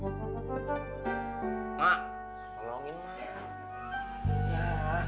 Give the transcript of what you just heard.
mak tolongin mak ya